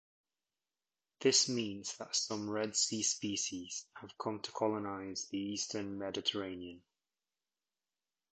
This means that some Red Sea species have come to colonize the eastern Mediterranean.